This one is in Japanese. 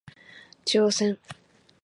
中央線